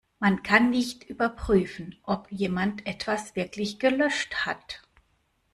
Man kann nicht überprüfen, ob jemand etwas wirklich gelöscht hat.